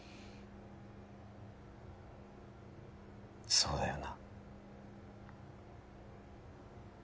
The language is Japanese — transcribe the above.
そうだよな